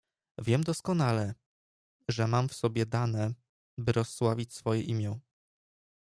"Wiem doskonale, że mam w sobie dane, by rozsławić swoje imię."